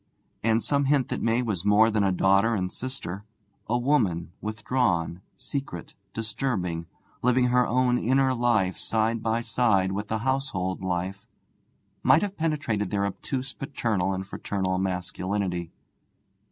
And some hint that May was more than a daughter and sister a woman, withdrawn, secret, disturbing, living her own inner life side by side with the household life might have penetrated their obtuse paternal and fraternal masculinity.